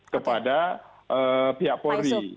kepada pihak polri